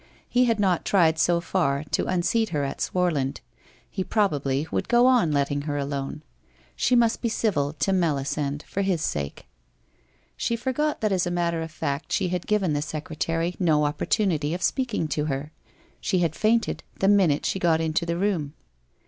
He had not tried so far to unseat her at Swarland, he probably would go on letting her alone. She must be civil to Melisande for his sake. She forgot that as a matter of fact, she had given the secretary no opportunity of speaking to her. She had fainted the minute she got into the room.